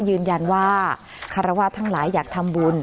ยืนยันว่าคารวาสทั้งหลายอยากทำบุญ